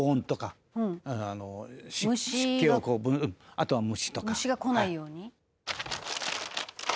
「あとは虫とか」「虫が来ないように？」